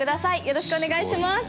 よろしくお願いします。